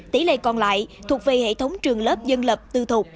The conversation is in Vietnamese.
tỷ lệ còn lại thuộc về hệ thống trường lớp dân lập tư thuộc